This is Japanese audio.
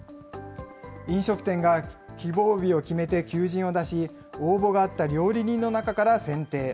飲食店が希望日を決めて求人を出し、応募があった料理人の中から選定。